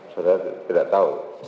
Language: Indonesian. saudara tidak tahu